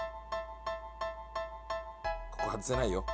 ここ外せないよ。